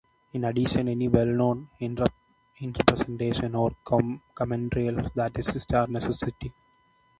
In addition, any well known interpretations or commentaries that exist are a necessity.